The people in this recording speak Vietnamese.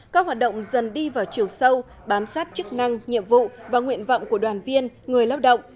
các hoạt động dần đi vào chiều sâu bám sát chức năng nhiệm vụ và nguyện vọng của đoàn viên người lao động